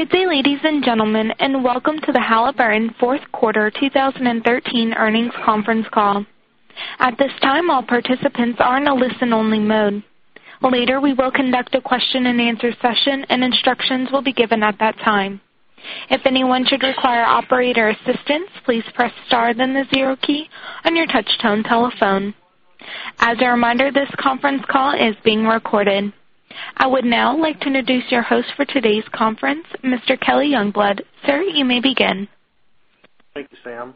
Good day, ladies and gentlemen, and welcome to the Halliburton fourth quarter 2013 earnings conference call. At this time, all participants are in a listen-only mode. Later, we will conduct a question-and-answer session, and instructions will be given at that time. If anyone should require operator assistance, please press star, then the zero key on your touch-tone telephone. As a reminder, this conference call is being recorded. I would now like to introduce your host for today's conference, Mr. Kelly Youngblood. Sir, you may begin. Thank you, Sam.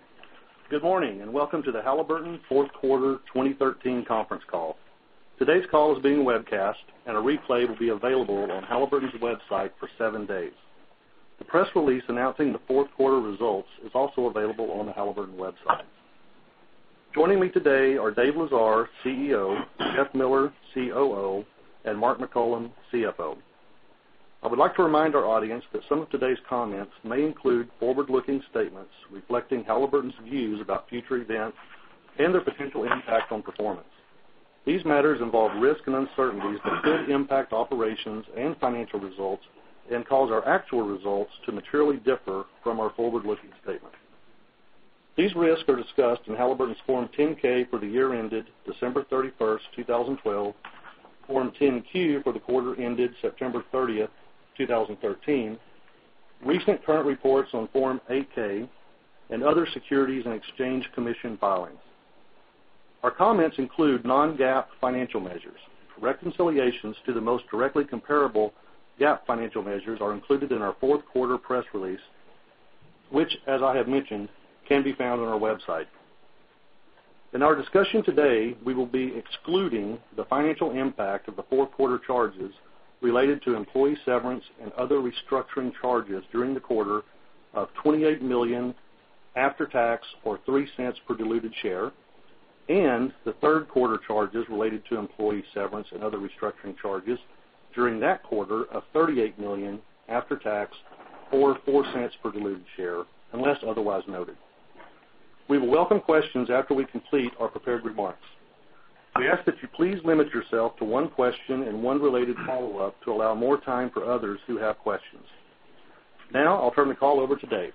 Good morning, welcome to the Halliburton fourth quarter 2013 conference call. Today's call is being webcast, a replay will be available on Halliburton's website for seven days. The press release announcing the fourth quarter results is also available on the Halliburton website. Joining me today are Dave Lesar, CEO; Jeff Miller, COO; and Mark McCollum, CFO. I would like to remind our audience that some of today's comments may include forward-looking statements reflecting Halliburton's views about future events and their potential impact on performance. These matters involve risks and uncertainties that could impact operations and financial results and cause our actual results to materially differ from our forward-looking statements. These risks are discussed in Halliburton's Form 10-K for the year ended December 31st, 2012, Form 10-Q for the quarter ended September 30th, 2013, recent current reports on Form 8-K, and other Securities and Exchange Commission filings. Our comments include non-GAAP financial measures. Reconciliations to the most directly comparable GAAP financial measures are included in our fourth quarter press release, which as I have mentioned, can be found on our website. In our discussion today, we will be excluding the financial impact of the fourth quarter charges related to employee severance and other restructuring charges during the quarter of $28 million after tax, or $0.03 per diluted share, and the third quarter charges related to employee severance and other restructuring charges during that quarter of $38 million after tax, or $0.04 per diluted share, unless otherwise noted. We will welcome questions after we complete our prepared remarks. We ask that you please limit yourself to one question and one related follow-up to allow more time for others who have questions. I'll turn the call over to Dave.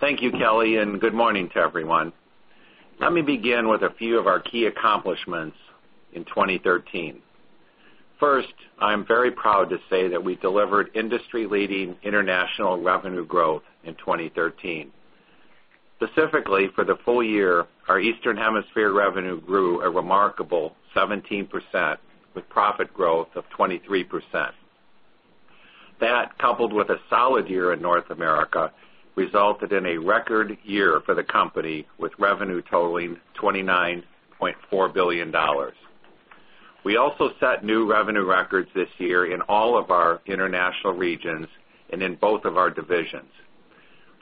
Thank you, Kelly, and good morning to everyone. Let me begin with a few of our key accomplishments in 2013. First, I'm very proud to say that we delivered industry-leading international revenue growth in 2013. Specifically, for the full year, our Eastern Hemisphere revenue grew a remarkable 17%, with profit growth of 23%. That, coupled with a solid year in North America, resulted in a record year for the company, with revenue totaling $29.4 billion. We also set new revenue records this year in all of our international regions and in both of our divisions.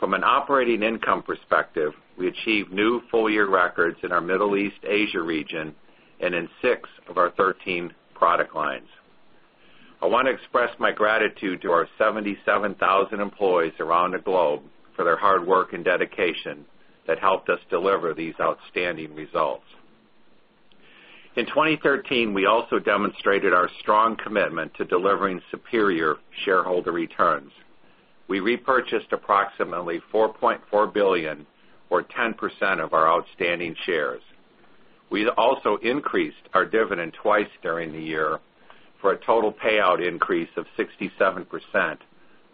From an operating income perspective, we achieved new full-year records in our Middle East Asia region and in six of our 13 product lines. I want to express my gratitude to our 77,000 employees around the globe for their hard work and dedication that helped us deliver these outstanding results. In 2013, we also demonstrated our strong commitment to delivering superior shareholder returns. We repurchased approximately $4.4 billion, or 10% of our outstanding shares. We also increased our dividend twice during the year, for a total payout increase of 67%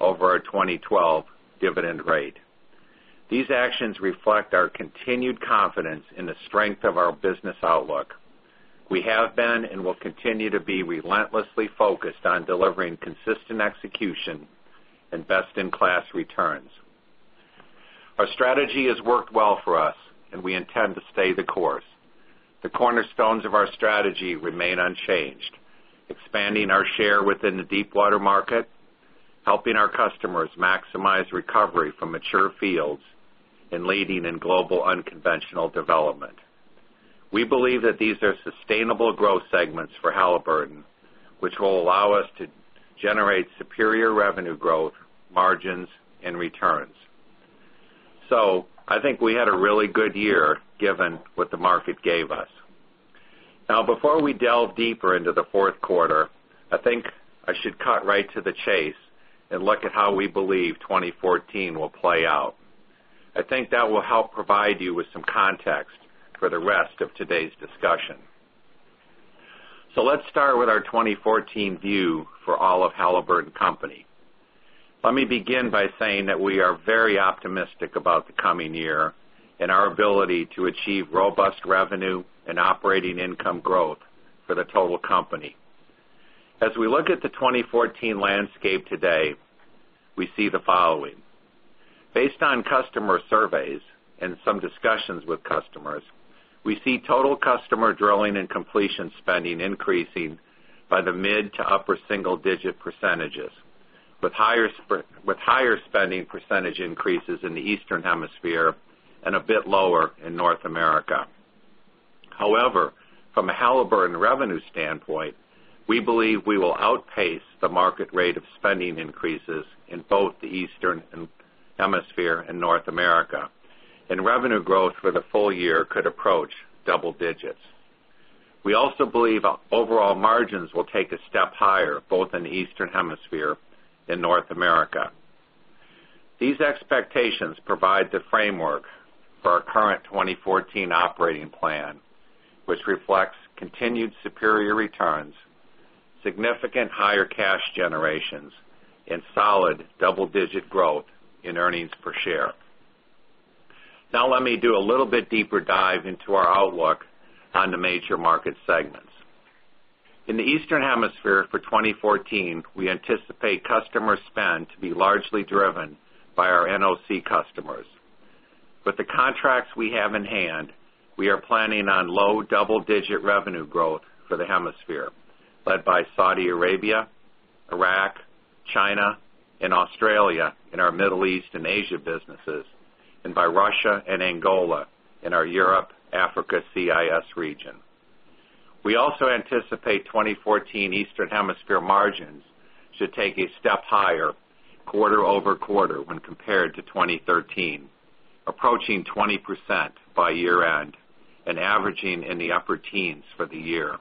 over our 2012 dividend rate. These actions reflect our continued confidence in the strength of our business outlook. We have been and will continue to be relentlessly focused on delivering consistent execution and best-in-class returns. Our strategy has worked well for us, and we intend to stay the course. The cornerstones of our strategy remain unchanged: expanding our share within the deepwater market, helping our customers maximize recovery from mature fields, and leading in global unconventional development. We believe that these are sustainable growth segments for Halliburton, which will allow us to generate superior revenue growth, margins, and returns. I think we had a really good year, given what the market gave us. Now, before we delve deeper into the fourth quarter, I think I should cut right to the chase and look at how we believe 2014 will play out. I think that will help provide you with some context for the rest of today's discussion. Let's start with our 2014 view for all of Halliburton Company. Let me begin by saying that we are very optimistic about the coming year and our ability to achieve robust revenue and operating income growth for the total company. As we look at the 2014 landscape today, we see the following. Based on customer surveys and some discussions with customers, we see total customer drilling and completion spending increasing by the mid to upper single-digit percentages, with higher spending percentage increases in the Eastern Hemisphere and a bit lower in North America. However, from a Halliburton revenue standpoint, we believe we will outpace the market rate of spending increases in both the Eastern Hemisphere and North America, and revenue growth for the full year could approach double digits. We also believe overall margins will take a step higher, both in the Eastern Hemisphere and North America. These expectations provide the framework for our current 2014 operating plan, which reflects continued superior returns, significant higher cash generations, and solid double-digit growth in earnings per share. Let me do a little bit deeper dive into our outlook on the major market segments. In the Eastern Hemisphere for 2014, we anticipate customer spend to be largely driven by our NOC customers. With the contracts we have in hand, we are planning on low double-digit revenue growth for the hemisphere, led by Saudi Arabia, Iraq, China, and Australia in our Middle East and Asia businesses, and by Russia and Angola in our Europe, Africa, CIS region. We also anticipate 2014 Eastern Hemisphere margins to take a step higher quarter-over-quarter when compared to 2013, approaching 20% by year-end and averaging in the upper teens for the year.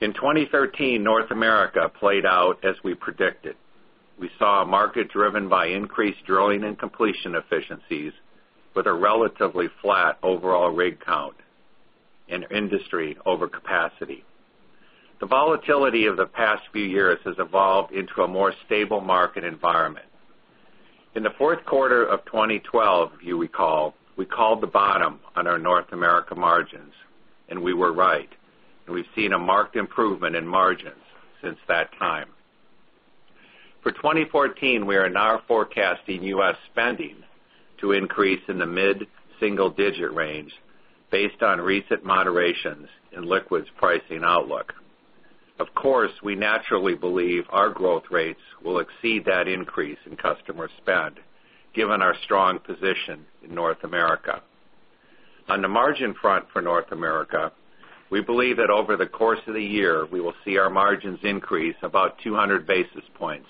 In 2013, North America played out as we predicted. We saw a market driven by increased drilling and completion efficiencies with a relatively flat overall rig count and industry over capacity. The volatility of the past few years has evolved into a more stable market environment. In the fourth quarter of 2012, if you recall, we called the bottom on our North America margins, and we were right, and we've seen a marked improvement in margins since that time. For 2014, we are now forecasting U.S. spending to increase in the mid-single digit range based on recent moderations in liquids pricing outlook. Of course, we naturally believe our growth rates will exceed that increase in customer spend given our strong position in North America. On the margin front for North America, we believe that over the course of the year, we will see our margins increase about 200 basis points.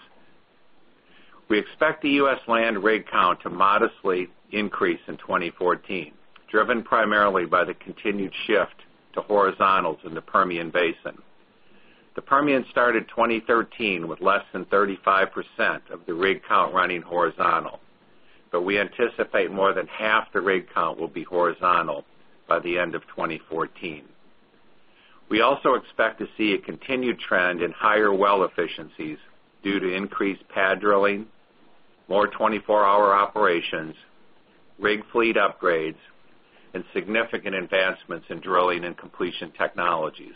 We expect the U.S. land rig count to modestly increase in 2014, driven primarily by the continued shift to horizontals in the Permian Basin. The Permian started 2013 with less than 35% of the rig count running horizontal, but we anticipate more than half the rig count will be horizontal by the end of 2014. We also expect to see a continued trend in higher well efficiencies due to increased pad drilling, more 24-hour operations, rig fleet upgrades, and significant advancements in drilling and completion technologies.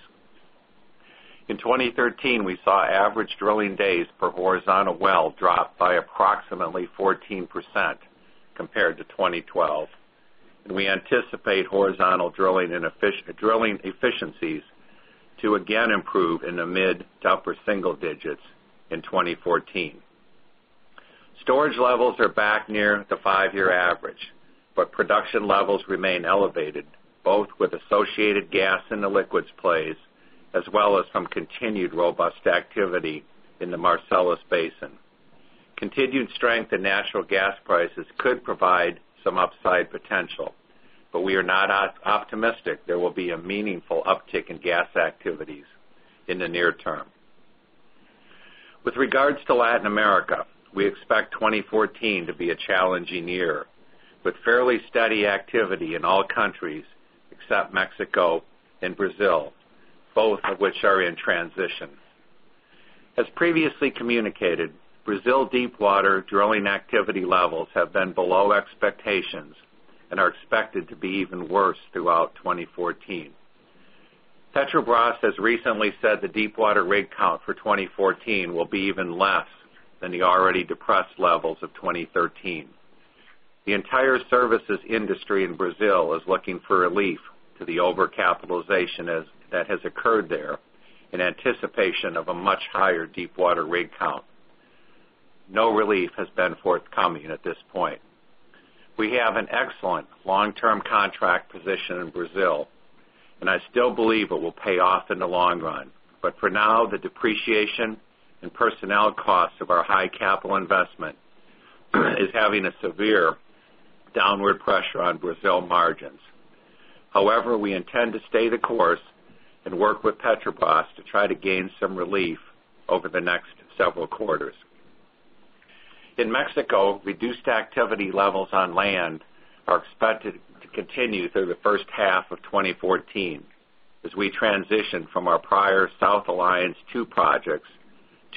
In 2013, we saw average drilling days per horizontal well drop by approximately 14% compared to 2012. We anticipate horizontal drilling efficiencies to again improve in the mid to upper single digits in 2014. Storage levels are back near the five-year average, but production levels remain elevated, both with associated gas in the liquids plays, as well as from continued robust activity in the Marcellus Basin. Continued strength in natural gas prices could provide some upside potential, but we are not optimistic there will be a meaningful uptick in gas activities in the near term. With regards to Latin America, we expect 2014 to be a challenging year, with fairly steady activity in all countries except Mexico and Brazil, both of which are in transition. As previously communicated, Brazil deepwater drilling activity levels have been below expectations and are expected to be even worse throughout 2014. Petrobras has recently said the deepwater rig count for 2014 will be even less than the already depressed levels of 2013. The entire services industry in Brazil is looking for relief to the overcapitalization that has occurred there in anticipation of a much higher deepwater rig count. No relief has been forthcoming at this point. We have an excellent long-term contract position in Brazil, and I still believe it will pay off in the long run. For now, the depreciation and personnel costs of our high capital investment is having a severe downward pressure on Brazil margins. However, we intend to stay the course and work with Petrobras to try to gain some relief over the next several quarters. In Mexico, reduced activity levels on land are expected to continue through the first half of 2014 as we transition from our prior Southern Alliance 2 projects to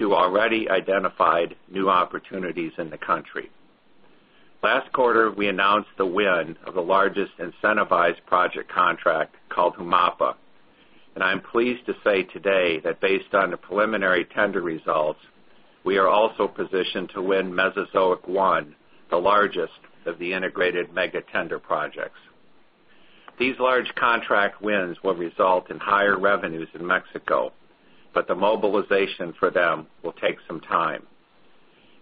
already identified new opportunities in the country. Last quarter, we announced the win of the largest incentivized project contract called Humapa, and I'm pleased to say today that based on the preliminary tender results, we are also positioned to win Mesozoic 1, the largest of the integrated mega tender projects. These large contract wins will result in higher revenues in Mexico, but the mobilization for them will take some time.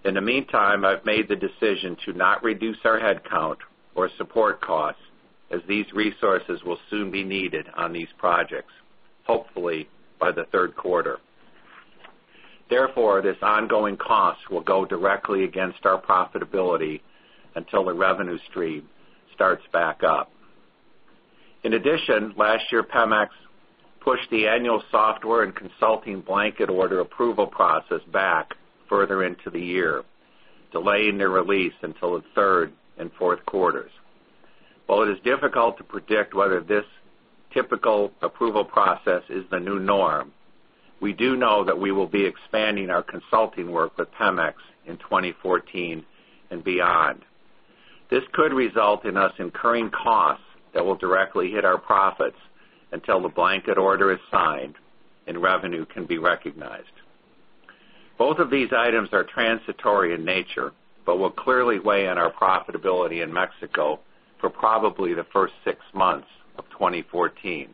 In the meantime, I've made the decision to not reduce our headcount or support costs as these resources will soon be needed on these projects, hopefully by the third quarter. Therefore, this ongoing cost will go directly against our profitability until the revenue stream starts back up. In addition, last year, Pemex pushed the annual software and consulting blanket order approval process back further into the year, delaying the release until the third and fourth quarters. While it is difficult to predict whether this typical approval process is the new norm, we do know that we will be expanding our consulting work with Pemex in 2014 and beyond. This could result in us incurring costs that will directly hit our profits until the blanket order is signed and revenue can be recognized. Both of these items are transitory in nature, but will clearly weigh on our profitability in Mexico for probably the first six months of 2014.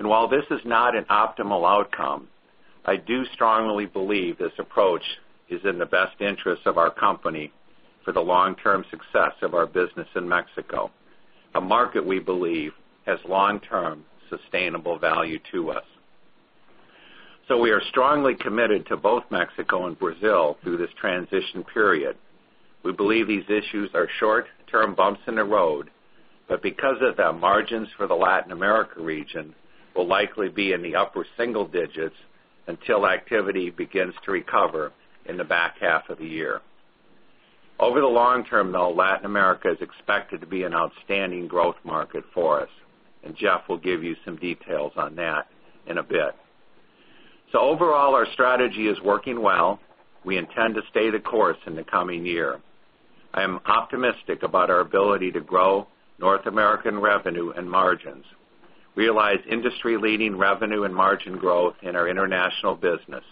While this is not an optimal outcome, I do strongly believe this approach is in the best interest of our company for the long-term success of our business in Mexico, a market we believe has long-term sustainable value to us. We are strongly committed to both Mexico and Brazil through this transition period. We believe these issues are short-term bumps in the road, but because of them, margins for the Latin America region will likely be in the upper single digits until activity begins to recover in the back half of the year. Over the long term, though, Latin America is expected to be an outstanding growth market for us, and Jeff will give you some details on that in a bit. Overall, our strategy is working well. We intend to stay the course in the coming year. I am optimistic about our ability to grow North American revenue and margins, realize industry-leading revenue and margin growth in our international business,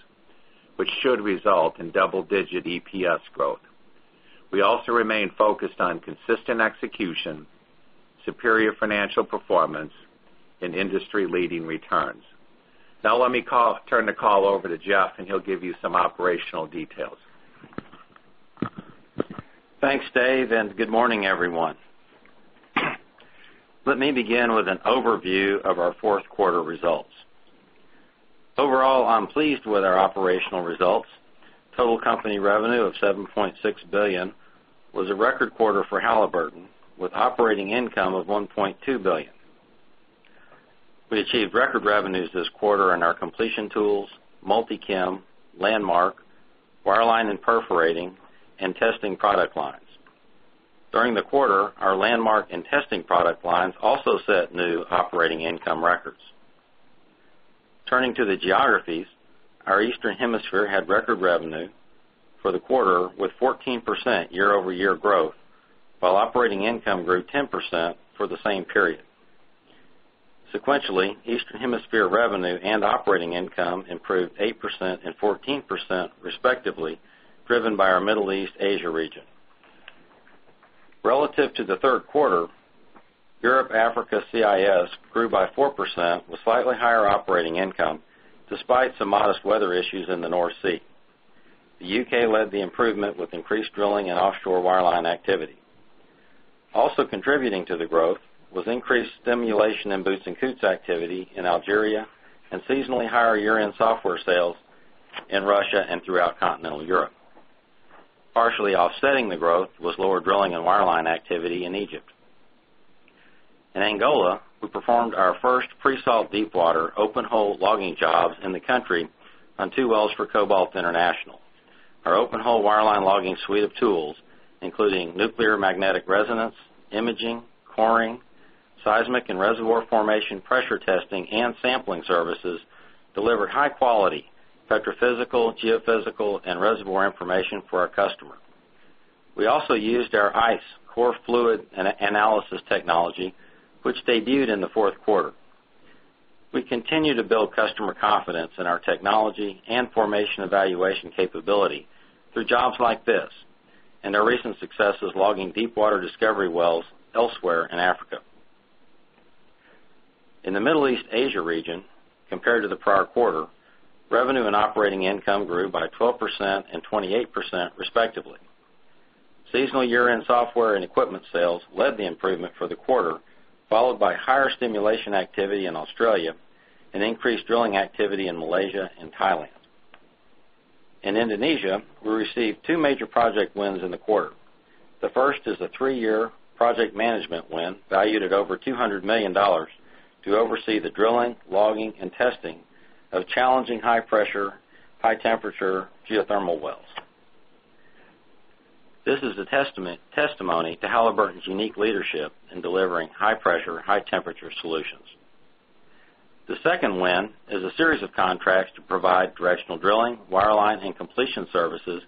which should result in double-digit EPS growth. We also remain focused on consistent execution, superior financial performance, and industry-leading returns. Now let me turn the call over to Jeff, and he'll give you some operational details. Thanks, Dave. Good morning, everyone. Let me begin with an overview of our fourth quarter results. Overall, I'm pleased with our operational results. Total company revenue of $7.6 billion was a record quarter for Halliburton, with operating income of $1.2 billion. We achieved record revenues this quarter in our completion tools, Multi-Chem, Landmark, wireline and perforating, and testing product lines. During the quarter, our Landmark and testing product lines also set new operating income records. Turning to the geographies, our Eastern Hemisphere had record revenue for the quarter with 14% year-over-year growth, while operating income grew 10% for the same period. Sequentially, Eastern Hemisphere revenue and operating income improved 8% and 14%, respectively, driven by our Middle East Asia region. Relative to the third quarter, Europe Africa CIS grew by 4% with slightly higher operating income despite some modest weather issues in the North Sea. The U.K. led the improvement with increased drilling and offshore wireline activity. Contributing to the growth was increased stimulation in Boots & Coots activity in Algeria and seasonally higher year-end software sales in Russia and throughout continental Europe. Partially offsetting the growth was lower drilling and wireline activity in Egypt. In Angola, we performed our first pre-salt, deepwater, open hole logging jobs in the country on two wells for Cobalt International. Our open hole wireline logging suite of tools, including nuclear magnetic resonance, imaging, coring, seismic and reservoir formation pressure testing, and sampling services, delivered high-quality petrophysical, geophysical, and reservoir information for our customer. We also used our ICE Core fluid analysis technology, which debuted in the fourth quarter. We continue to build customer confidence in our technology and formation evaluation capability through jobs like this and our recent successes logging deepwater discovery wells elsewhere in Africa. In the Middle East Asia region, compared to the prior quarter, revenue and operating income grew by 12% and 28%, respectively. Seasonal year-end software and equipment sales led the improvement for the quarter, followed by higher stimulation activity in Australia and increased drilling activity in Malaysia and Thailand. In Indonesia, we received two major project wins in the quarter. The first is a three-year project management win valued at over $200 million to oversee the drilling, logging, and testing of challenging high-pressure, high-temperature geothermal wells. This is a testimony to Halliburton's unique leadership in delivering high-pressure, high-temperature solutions. The second win is a series of contracts to provide directional drilling, wireline, and completion services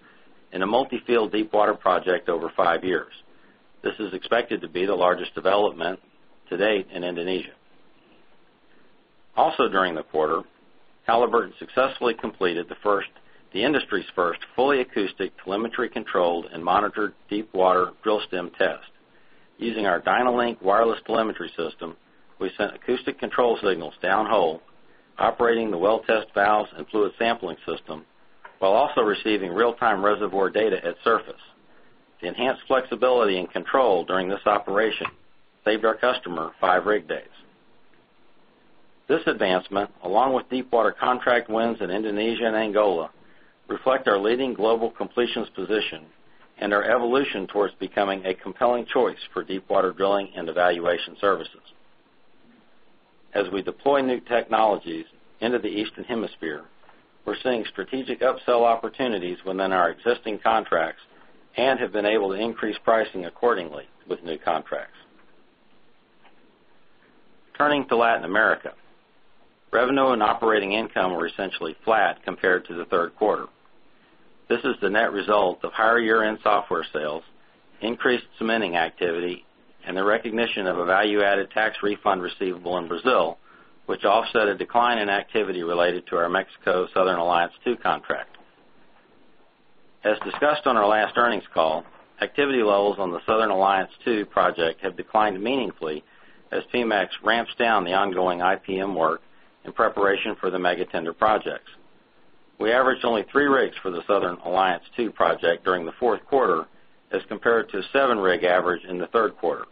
in a multi-field deepwater project over five years. This is expected to be the largest development to date in Indonesia. During the quarter, Halliburton successfully completed the industry's first fully acoustic telemetry controlled and monitored deepwater drill stem test. Using our DynaLink wireless telemetry system, we sent acoustic control signals downhole, operating the well test valves and fluid sampling system while also receiving real-time reservoir data at surface. The enhanced flexibility and control during this operation saved our customer five rig days. This advancement, along with deepwater contract wins in Indonesia and Angola, reflect our leading global completions position and our evolution towards becoming a compelling choice for deepwater drilling and evaluation services. As we deploy new technologies into the Eastern Hemisphere, we're seeing strategic upsell opportunities within our existing contracts and have been able to increase pricing accordingly with new contracts. Turning to Latin America. Revenue and operating income were essentially flat compared to the third quarter. This is the net result of higher year-end software sales, increased cementing activity, and the recognition of a value-added tax refund receivable in Brazil, which offset a decline in activity related to our Mexico Southern Alliance 2 contract. As discussed on our last earnings call, activity levels on the Southern Alliance 2 project have declined meaningfully as Pemex ramps down the ongoing IPM work in preparation for the mega tender projects. We averaged only three rigs for the Southern Alliance 2 project during the fourth quarter as compared to a seven rig average in the third quarter.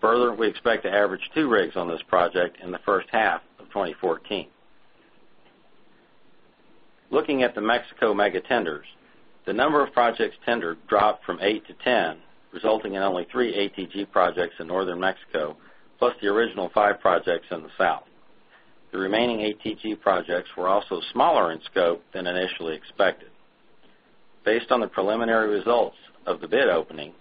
Further, we expect to average two rigs on this project in the first half of 2014. Looking at the Mexico mega tenders, the number of projects tendered dropped from 8 to 10, resulting in only three ATG projects in Northern Mexico, plus the original five projects in the South. The remaining ATG projects were also smaller in scope than initially expected. Based on the preliminary results of the bid opening,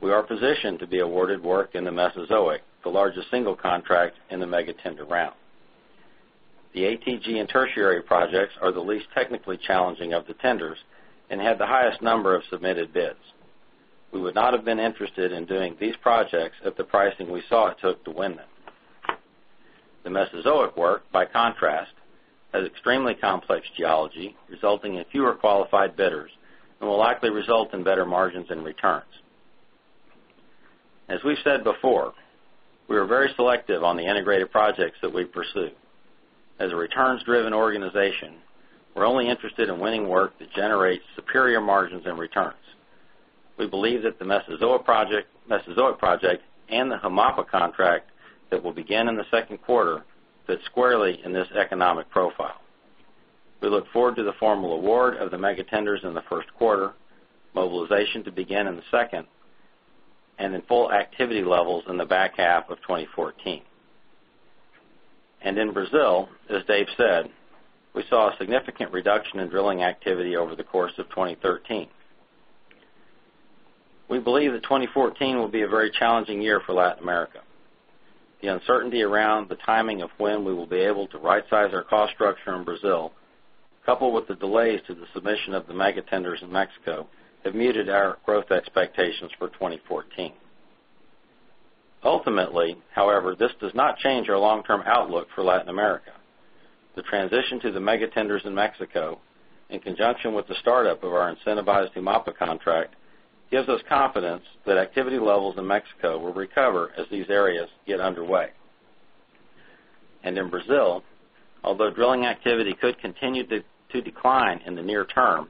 we are positioned to be awarded work in the Mesozoic, the largest single contract in the mega tender round. The ATG and Lower Tertiary projects are the least technically challenging of the tenders and had the highest number of submitted bids. We would not have been interested in doing these projects at the pricing we saw it took to win them. The Mesozoic work, by contrast, has extremely complex geology, resulting in fewer qualified bidders and will likely result in better margins and returns. As we've said before, we are very selective on the integrated projects that we pursue. As a returns-driven organization, we're only interested in winning work that generates superior margins and returns. We believe that the Mesozoic project and the Humapa contract that will begin in the second quarter fit squarely in this economic profile. We look forward to the formal award of the mega tenders in the first quarter, mobilization to begin in the second, and in full activity levels in the back half of 2014. In Brazil, as Dave said, we saw a significant reduction in drilling activity over the course of 2013. We believe that 2014 will be a very challenging year for Latin America. The uncertainty around the timing of when we will be able to right-size our cost structure in Brazil, coupled with the delays to the submission of the mega tenders in Mexico, have muted our growth expectations for 2014. Ultimately, however, this does not change our long-term outlook for Latin America. The transition to the mega tenders in Mexico, in conjunction with the startup of our incentivized Humapa contract, gives us confidence that activity levels in Mexico will recover as these areas get underway. In Brazil, although drilling activity could continue to decline in the near term,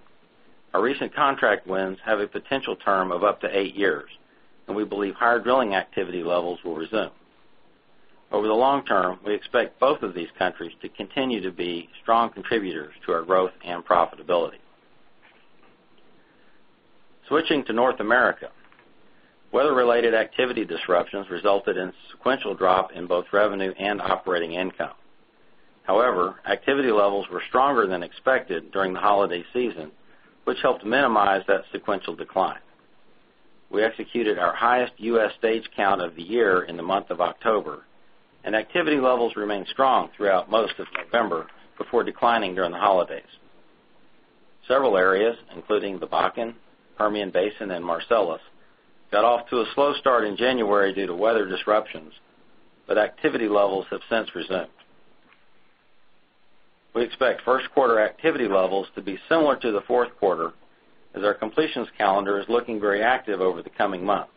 our recent contract wins have a potential term of up to eight years, and we believe higher drilling activity levels will resume. Over the long term, we expect both of these countries to continue to be strong contributors to our growth and profitability. Switching to North America. Weather-related activity disruptions resulted in a sequential drop in both revenue and operating income. However, activity levels were stronger than expected during the holiday season, which helped minimize that sequential decline. We executed our highest U.S. stage count of the year in the month of October. Activity levels remained strong throughout most of November, before declining during the holidays. Several areas, including the Bakken, Permian Basin, and Marcellus got off to a slow start in January due to weather disruptions. Activity levels have since resumed. We expect first quarter activity levels to be similar to the fourth quarter. Our completions calendar is looking very active over the coming months.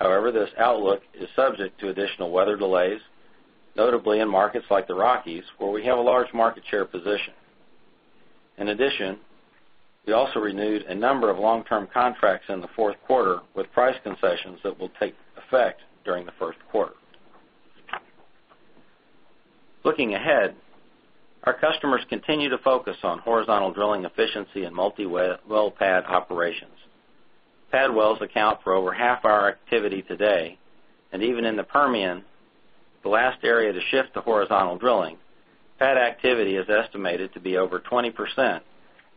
This outlook is subject to additional weather delays, notably in markets like the Rockies, where we have a large market share position. In addition, we also renewed a number of long-term contracts in the fourth quarter with price concessions that will take effect during the first quarter. Looking ahead, our customers continue to focus on horizontal drilling efficiency and multi-well pad operations. Pad wells account for over half our activity today. Even in the Permian, the last area to shift to horizontal drilling, pad activity is estimated to be over 20%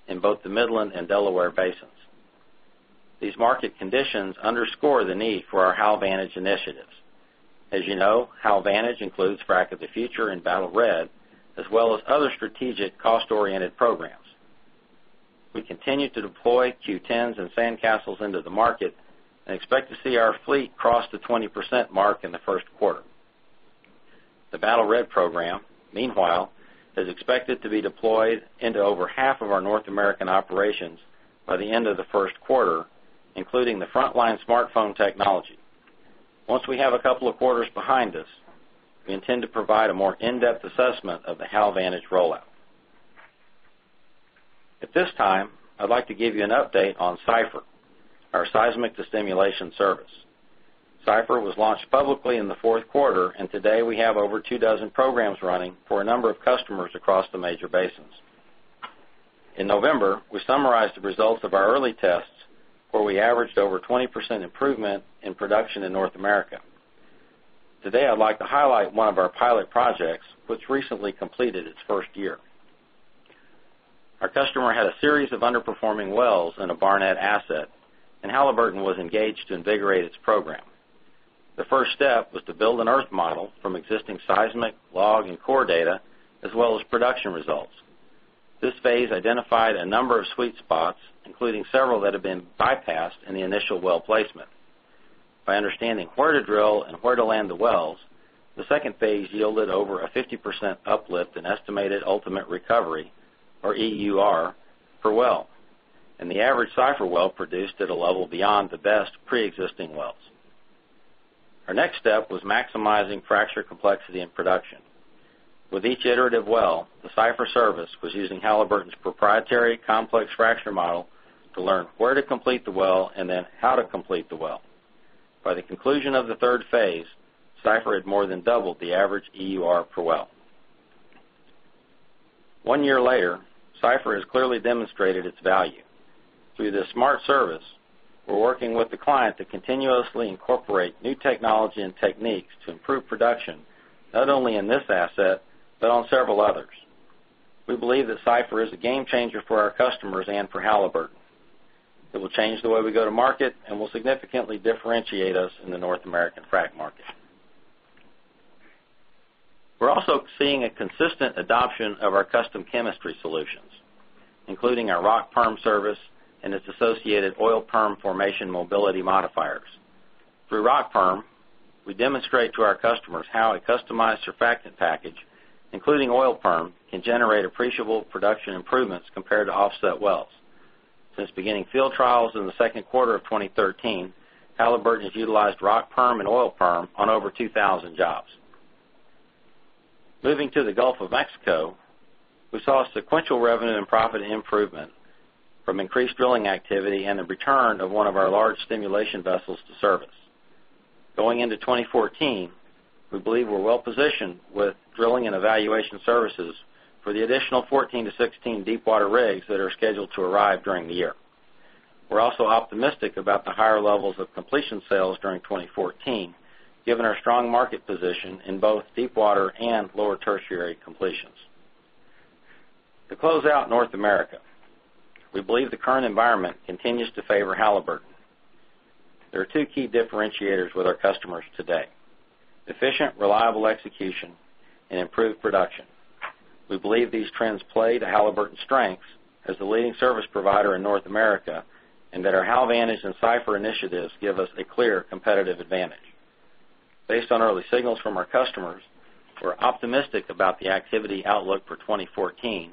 in both the Midland and Delaware basins. These market conditions underscore the need for our HalVantage initiatives. As you know, HalVantage includes Frac of the Future and Battle Red, as well as other strategic cost-oriented programs. We continue to deploy Q10s and SandCastle into the market and expect to see our fleet cross the 20% mark in the first quarter. The Battle Red program, meanwhile, is expected to be deployed into over half of our North American operations by the end of the first quarter, including the Frontline smartphone technology. Once we have a couple of quarters behind us, we intend to provide a more in-depth assessment of the HalVantage rollout. At this time, I'd like to give you an update on Cypher, our seismic stimulation service. Cypher was launched publicly in the fourth quarter. Today we have over 2 dozen programs running for a number of customers across the major basins. In November, we summarized the results of our early tests, where we averaged over 20% improvement in production in North America. Today, I'd like to highlight one of our pilot projects, which recently completed its first year. Our customer had a series of underperforming wells in a Barnett asset. Halliburton was engaged to invigorate its program. The first step was to build an earth model from existing seismic, log, and core data, as well as production results. This phase identified a number of sweet spots, including several that had been bypassed in the initial well placement. By understanding where to drill and where to land the wells, the second phase yielded over a 50% uplift in estimated ultimate recovery, or EUR, per well. The average Cypher well produced at a level beyond the best preexisting wells. Our next step was maximizing fracture complexity and production. With each iterative well, the Cypher service was using Halliburton's proprietary complex fracture model to learn where to complete the well and then how to complete the well. By the conclusion of the third phase, Cypher had more than doubled the average EUR per well. One year later, Cypher has clearly demonstrated its value. Through this smart service, we're working with the client to continuously incorporate new technology and techniques to improve production, not only in this asset but on several others. We believe that Cypher is a game changer for our customers and for Halliburton. It will change the way we go to market and will significantly differentiate us in the North American frack market. We are also seeing a consistent adoption of our custom chemistry solutions, including our RockPerm service and its associated OilPerm formation mobility modifiers. Through RockPerm, we demonstrate to our customers how a customized surfactant package, including OilPerm, can generate appreciable production improvements compared to offset wells. Since beginning field trials in the second quarter of 2013, Halliburton's utilized RockPerm and OilPerm on over 2,000 jobs. Moving to the Gulf of Mexico, we saw sequential revenue and profit improvement from increased drilling activity and the return of one of our large stimulation vessels to service. Going into 2014, we believe we are well-positioned with drilling and evaluation services for the additional 14 to 16 deepwater rigs that are scheduled to arrive during the year. We are also optimistic about the higher levels of completion sales during 2014, given our strong market position in both deepwater and Lower Tertiary completions. To close out North America, we believe the current environment continues to favor Halliburton. There are two key differentiators with our customers today: efficient, reliable execution and improved production. We believe these trends play to Halliburton's strengths as the leading service provider in North America, and that our HalVantage and CYPHER initiatives give us a clear competitive advantage. Based on early signals from our customers, we are optimistic about the activity outlook for 2014,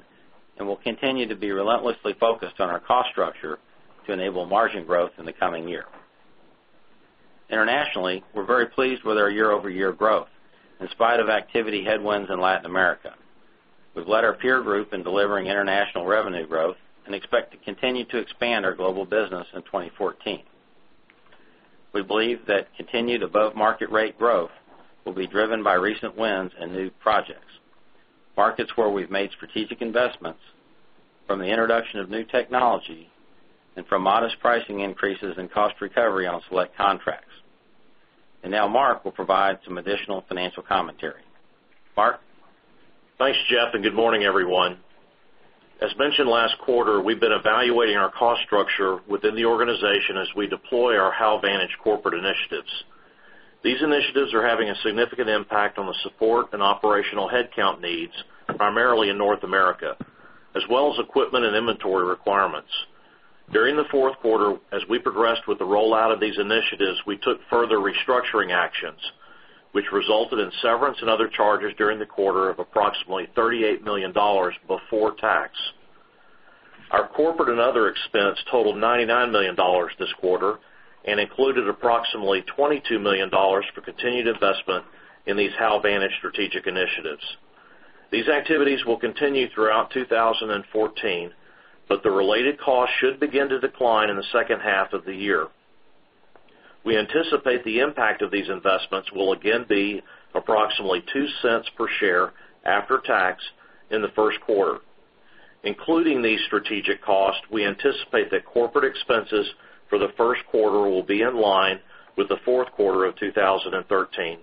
and we will continue to be relentlessly focused on our cost structure to enable margin growth in the coming year. Internationally, we are very pleased with our year-over-year growth, in spite of activity headwinds in Latin America. We have led our peer group in delivering international revenue growth and expect to continue to expand our global business in 2014. We believe that continued above-market rate growth will be driven by recent wins and new projects, markets where we have made strategic investments from the introduction of new technology and from modest pricing increases and cost recovery on select contracts. Mark will provide some additional financial commentary. Mark? Thanks, Jeff, and good morning, everyone. As mentioned last quarter, we have been evaluating our cost structure within the organization as we deploy our HalVantage corporate initiatives. These initiatives are having a significant impact on the support and operational headcount needs, primarily in North America, as well as equipment and inventory requirements. During the fourth quarter, as we progressed with the rollout of these initiatives, we took further restructuring actions, which resulted in severance and other charges during the quarter of approximately $38 million before tax. Our corporate and other expense totaled $99 million this quarter and included approximately $22 million for continued investment in these HalVantage strategic initiatives. These activities will continue throughout 2014, but the related cost should begin to decline in the second half of the year. We anticipate the impact of these investments will again be approximately $0.02 per share after tax in the first quarter. Including these strategic costs, we anticipate that corporate expenses for the first quarter will be in line with the fourth quarter of 2013.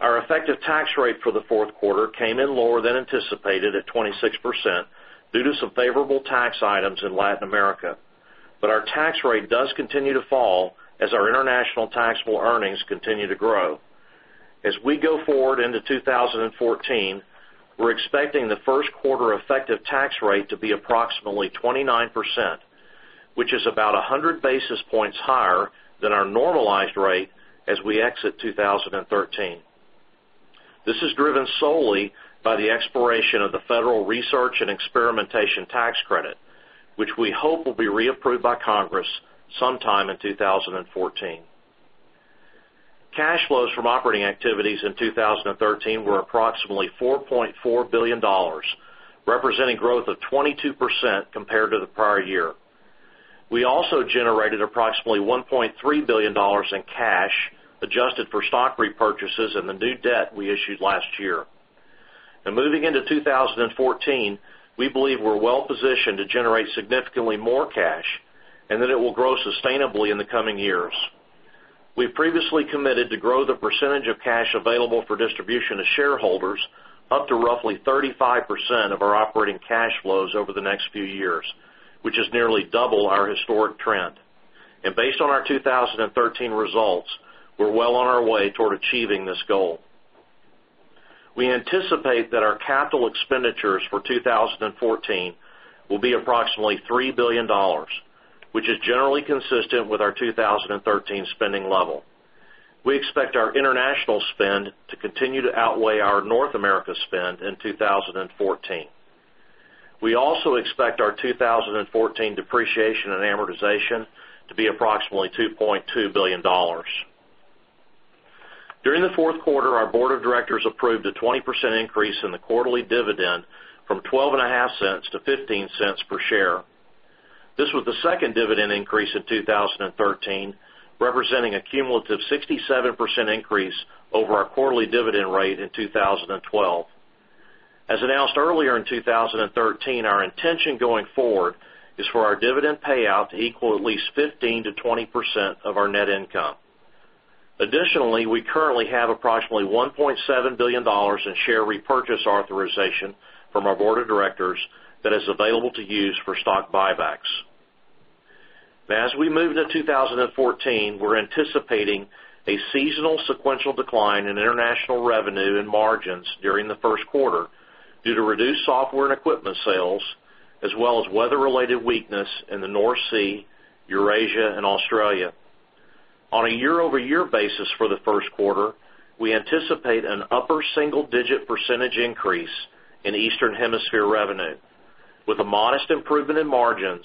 Our effective tax rate for the fourth quarter came in lower than anticipated at 26% due to some favorable tax items in Latin America. Our tax rate does continue to fall as our international taxable earnings continue to grow. As we go forward into 2014, we're expecting the first quarter effective tax rate to be approximately 29%, which is about 100 basis points higher than our normalized rate as we exit 2013. This is driven solely by the expiration of the federal research and experimentation tax credit, which we hope will be reapproved by Congress sometime in 2014. Cash flows from operating activities in 2013 were approximately $4.4 billion, representing growth of 22% compared to the prior year. We also generated approximately $1.3 billion in cash, adjusted for stock repurchases and the new debt we issued last year. Moving into 2014, we believe we're well-positioned to generate significantly more cash and that it will grow sustainably in the coming years. We've previously committed to grow the percentage of cash available for distribution to shareholders up to roughly 35% of our operating cash flows over the next few years, which is nearly double our historic trend. Based on our 2013 results, we're well on our way toward achieving this goal. We anticipate that our capital expenditures for 2014 will be approximately $3 billion, which is generally consistent with our 2013 spending level. We expect our international spend to continue to outweigh our North America spend in 2014. We also expect our 2014 depreciation and amortization to be approximately $2.2 billion. During the fourth quarter, our board of directors approved a 20% increase in the quarterly dividend from $0.125 to $0.15 per share. This was the second dividend increase in 2013, representing a cumulative 67% increase over our quarterly dividend rate in 2012. As announced earlier in 2013, our intention going forward is for our dividend payout to equal at least 15%-20% of our net income. Additionally, we currently have approximately $1.7 billion in share repurchase authorization from our board of directors that is available to use for stock buybacks. As we move into 2014, we're anticipating a seasonal sequential decline in international revenue and margins during the first quarter due to reduced software and equipment sales, as well as weather-related weakness in the North Sea, Eurasia, and Australia. On a year-over-year basis for the first quarter, we anticipate an upper single-digit percentage increase in Eastern Hemisphere revenue with a modest improvement in margins,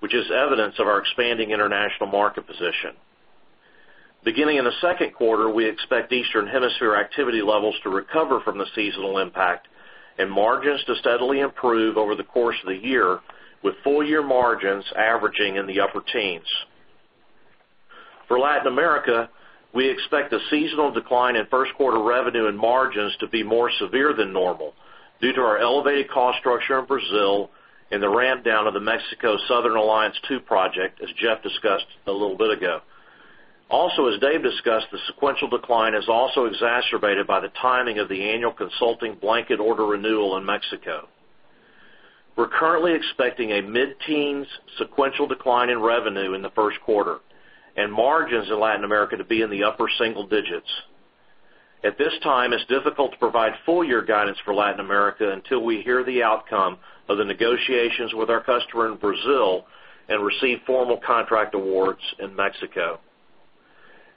which is evidence of our expanding international market position. Beginning in the second quarter, we expect Eastern Hemisphere activity levels to recover from the seasonal impact and margins to steadily improve over the course of the year with full-year margins averaging in the upper teens. For Latin America, we expect a seasonal decline in first quarter revenue and margins to be more severe than normal due to our elevated cost structure in Brazil and the ramp down of the Mexico Southern Alliance 2 project, as Jeff discussed a little bit ago. As Dave discussed, the sequential decline is also exacerbated by the timing of the annual consulting blanket order renewal in Mexico. We're currently expecting a mid-teens sequential decline in revenue in the first quarter and margins in Latin America to be in the upper single digits. At this time, it's difficult to provide full-year guidance for Latin America until we hear the outcome of the negotiations with our customer in Brazil and receive formal contract awards in Mexico.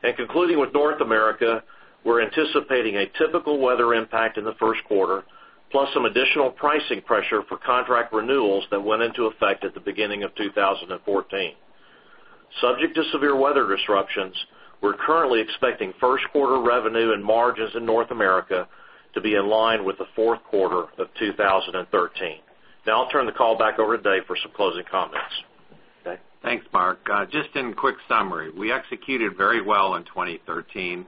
Concluding with North America, we're anticipating a typical weather impact in the first quarter, plus some additional pricing pressure for contract renewals that went into effect at the beginning of 2014. Subject to severe weather disruptions, we're currently expecting first quarter revenue and margins in North America to be in line with the fourth quarter of 2013. I'll turn the call back over to Dave for some closing comments. Dave? Thanks, Mark. Just in quick summary, we executed very well in 2013,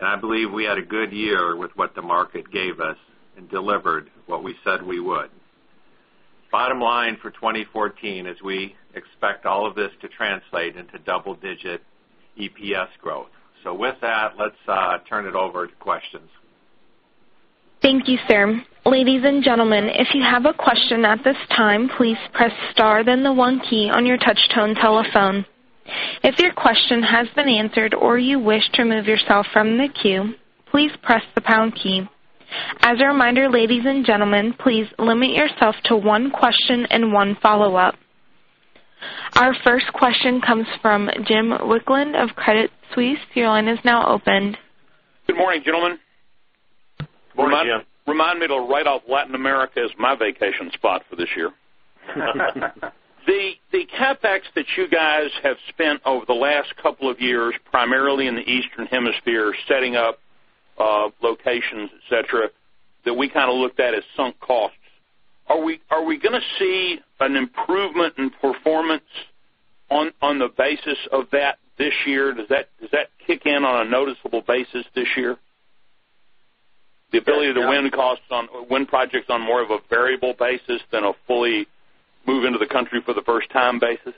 I believe we had a good year with what the market gave us and delivered what we said we would. Bottom line for 2014 is we expect all of this to translate into double-digit EPS growth. With that, let's turn it over to questions. Thank you, sir. Ladies and gentlemen, if you have a question at this time, please press star then the one key on your touch tone telephone. If your question has been answered or you wish to remove yourself from the queue, please press the pound key. As a reminder, ladies and gentlemen, please limit yourself to one question and one follow-up. Our first question comes from Jim Wicklund of Credit Suisse. Your line is now open. Good morning, gentlemen. Morning, Jim. Remind me to write off Latin America as my vacation spot for this year. The CapEx that you guys have spent over the last couple of years, primarily in the Eastern Hemisphere, setting up locations, et cetera, that we kind of looked at as sunk costs. Are we going to see an improvement in performance on the basis of that this year? Does that kick in on a noticeable basis this year? The ability to win costs on win projects on more of a variable basis than a fully move into the country for the first time basis.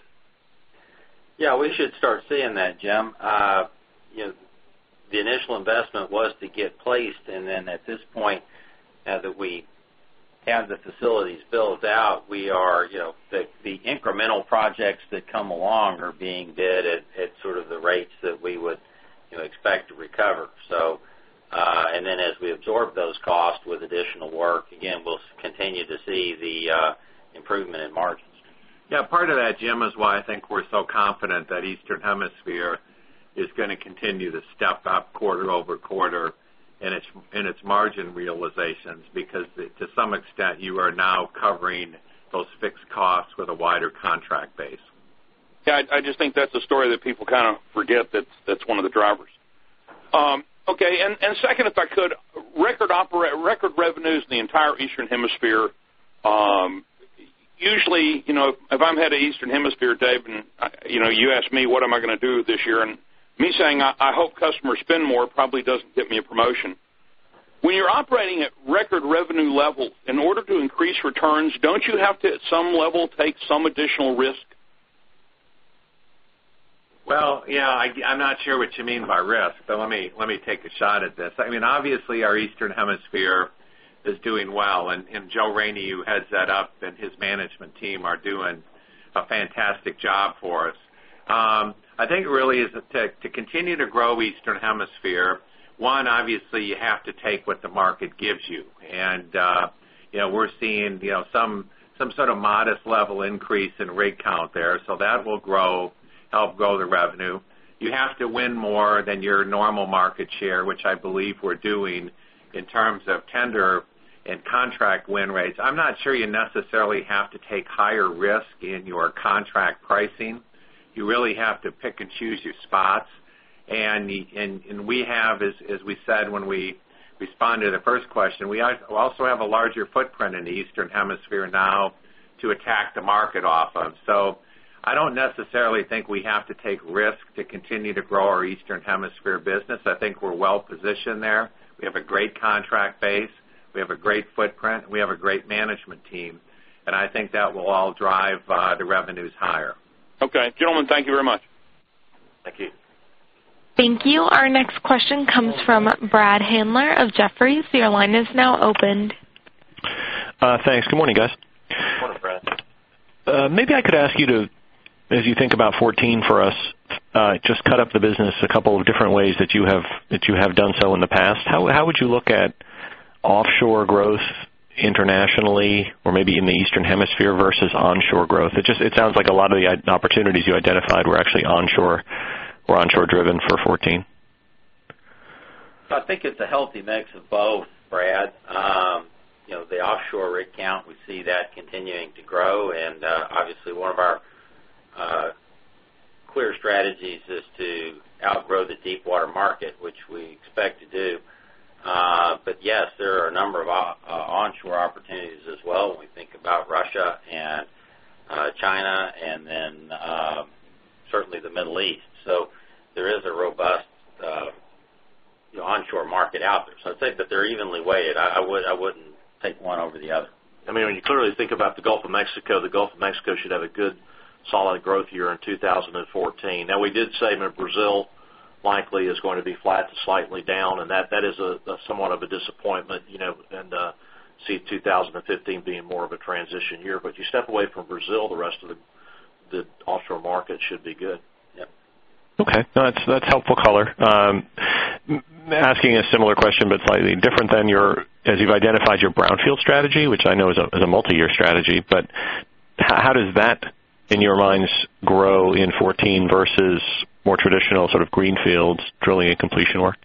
Yeah, we should start seeing that, Jim. The initial investment was to get placed. At this point, now that we have the facilities built out, the incremental projects that come along are being bid at sort of the rates that we would expect to recover. As we absorb those costs with additional work, again, we'll continue to see the improvement in margins. Yeah, part of that, Jim, is why I think we're so confident that Eastern Hemisphere is going to continue to step up quarter-over-quarter. In its margin realizations, because to some extent you are now covering those fixed costs with a wider contract base. Yeah, I just think that's a story that people kind of forget that's one of the drivers. Okay. Second, if I could, record revenues in the entire Eastern Hemisphere. Usually, if I'm head of Eastern Hemisphere, Dave, and you ask me what am I going to do this year, and me saying, "I hope customers spend more," probably doesn't get me a promotion. When you're operating at record revenue levels, in order to increase returns, don't you have to, at some level, take some additional risk? Well, yeah. I'm not sure what you mean by risk, but let me take a shot at this. Obviously, our Eastern Hemisphere is doing well. Joe Rainey, who heads that up, and his management team are doing a fantastic job for us. I think really to continue to grow Eastern Hemisphere, one, obviously, you have to take what the market gives you. We're seeing some sort of modest level increase in rig count there. That will help grow the revenue. You have to win more than your normal market share, which I believe we're doing in terms of tender and contract win rates. I'm not sure you necessarily have to take higher risk in your contract pricing. You really have to pick and choose your spots. We have, as we said when we responded to the first question, we also have a larger footprint in the Eastern Hemisphere now to attack the market off of. I don't necessarily think we have to take risk to continue to grow our Eastern Hemisphere business. I think we're well-positioned there. We have a great contract base, we have a great footprint, and we have a great management team, and I think that will all drive the revenues higher. Okay. Gentlemen, thank you very much. Thank you. Thank you. Our next question comes from Brad Handler of Jefferies. Your line is now open. Thanks. Good morning, guys. Morning, Brad. Maybe I could ask you to, as you think about 2014 for us, just cut up the business a couple of different ways that you have done so in the past. How would you look at offshore growth internationally or maybe in the Eastern Hemisphere versus onshore growth? It sounds like a lot of the opportunities you identified were actually onshore or onshore-driven for 2014. I think it's a healthy mix of both, Brad. The offshore rig count, we see that continuing to grow. Obviously, one of our clear strategies is to outgrow the deep water market, which we expect to do. Yes, there are a number of onshore opportunities as well when we think about Russia and China and certainly the Middle East. There is a robust onshore market out there. I'd say that they're evenly weighted. I wouldn't take one over the other. When you clearly think about the Gulf of Mexico, the Gulf of Mexico should have a good solid growth year in 2014. We did say that Brazil likely is going to be flat to slightly down, that is somewhat of a disappointment, see 2015 being more of a transition year. You step away from Brazil, the rest of the offshore market should be good. Yeah. Okay. No, that's helpful color. Asking a similar question, slightly different than as you've identified your brownfield strategy, which I know is a multi-year strategy, how does that, in your minds, grow in 2014 versus more traditional sort of greenfields drilling and completion work?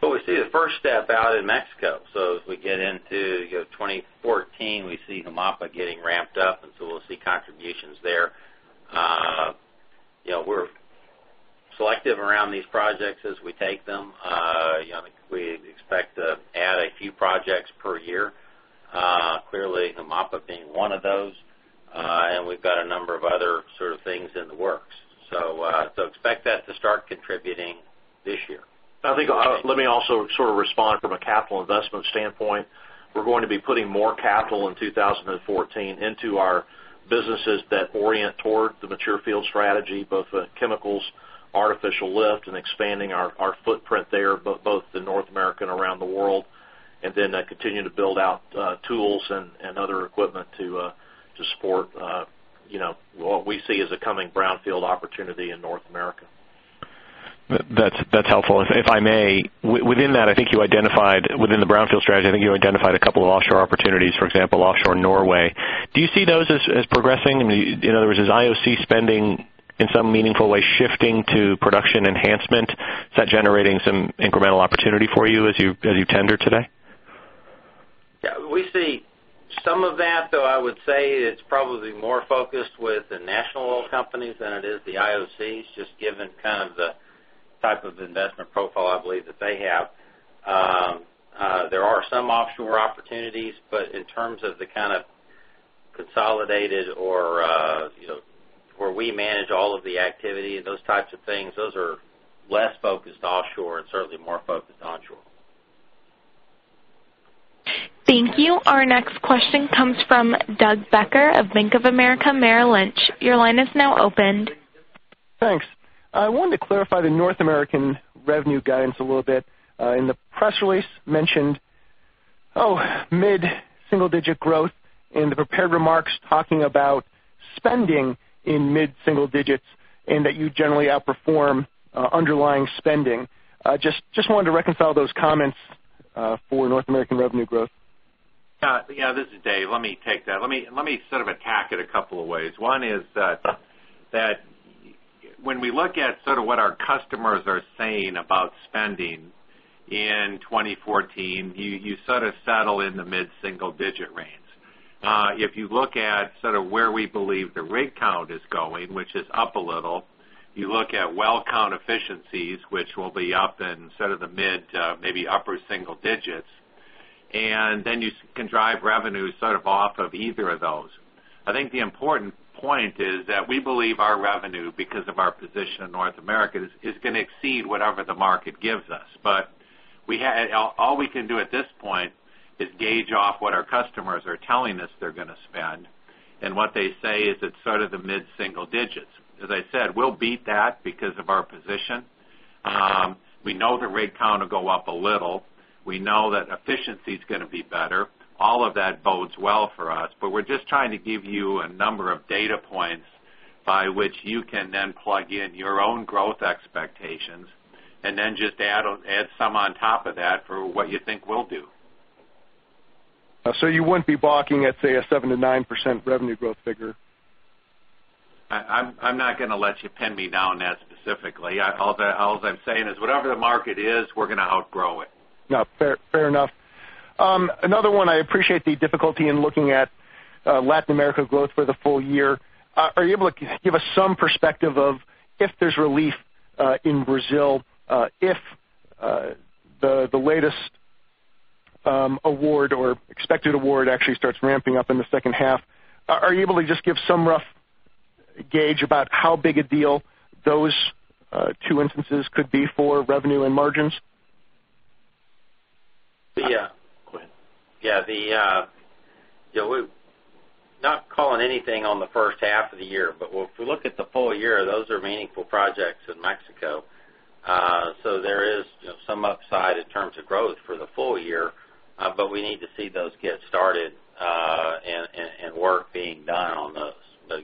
We see the first step out in Mexico. As we get into 2014, we see Humapa getting ramped up, we'll see contributions there. We're selective around these projects as we take them. We expect to add a few projects per year. Clearly, Humapa being one of those. We've got a number of other sort of things in the works. Expect that to start contributing this year. Let me also sort of respond from a capital investment standpoint. We're going to be putting more capital in 2014 into our businesses that orient toward the mature field strategy, both chemicals, artificial lift, and expanding our footprint there, both in North America and around the world. Continue to build out tools and other equipment to support what we see as a coming brownfield opportunity in North America. That's helpful. If I may, within that, I think you identified within the brownfield strategy, I think you identified a couple of offshore opportunities, for example, offshore Norway. Do you see those as progressing? In other words, is IOC spending in some meaningful way shifting to production enhancement? Is that generating some incremental opportunity for you as you tender today? Yeah. We see some of that, though I would say it's probably more focused with the national oil companies than it is the IOCs, just given kind of the type of investment profile I believe that they have. There are some offshore opportunities, but in terms of the kind of consolidated or where we manage all of the activity and those types of things, those are less focused offshore and certainly more focused onshore. Thank you. Our next question comes from Doug Becker of Bank of America Merrill Lynch. Your line is now open. Thanks. I wanted to clarify the North American revenue guidance a little bit. In the press release mentioned mid-single digit growth. In the prepared remarks talking about spending in mid-single digits and that you generally outperform underlying spending. Just wanted to reconcile those comments for North American revenue growth. Yeah. This is Dave. Let me take that. Let me sort of attack it a couple of ways. One is that when we look at sort of what our customers are saying about spending in 2014, you sort of settle in the mid-single digit range. If you look at sort of where we believe the rig count is going, which is up a little, you look at well count efficiencies, which will be up in sort of the mid, maybe upper single digits, and then you can drive revenue sort of off of either of those. I think the important point is that we believe our revenue, because of our position in North America, is going to exceed whatever the market gives us. All we can do at this point is gauge off what our customers are telling us they're going to spend. What they say is it's sort of the mid-single digits. As I said, we'll beat that because of our position. We know the rig count will go up a little. We know that efficiency is going to be better. All of that bodes well for us, but we're just trying to give you a number of data points by which you can then plug in your own growth expectations and then just add some on top of that for what you think we'll do. You wouldn't be balking at, say, a 7%-9% revenue growth figure? I'm not going to let you pin me down that specifically. Alls I'm saying is whatever the market is, we're going to outgrow it. Fair enough. Another one. I appreciate the difficulty in looking at Latin America growth for the full year. Are you able to give us some perspective of if there's relief in Brazil, if the latest award or expected award actually starts ramping up in the second half? Are you able to just give some rough gauge about how big a deal those two instances could be for revenue and margins? Yeah. Go ahead. Yeah. We're not calling anything on the first half of the year, if we look at the full year, those are meaningful projects in Mexico. There is some upside in terms of growth for the full year. We need to see those get started, and work being done on those.